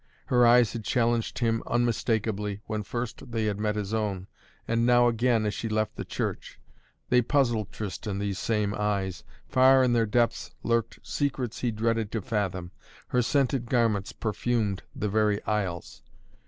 Her eyes had challenged him unmistakably when first they had met his own, and now again, as she left the church. They puzzled Tristan, these same eyes. Far in their depths lurked secrets he dreaded to fathom. Her scented garments perfumed the very aisles.